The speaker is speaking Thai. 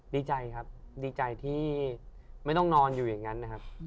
ดีใจครับดีใจที่ไม่ต้องนอนอยู่อย่างนั้นนะครับ